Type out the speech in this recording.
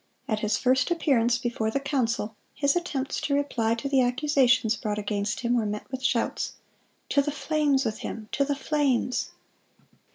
At his first appearance before the council, his attempts to reply to the accusations brought against him were met with shouts, "To the flames with him! to the flames!"